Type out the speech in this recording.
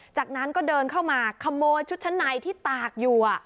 จากนั้นก็เดินเข้ามาขโมยชุดชั้นในที่ตากอยู่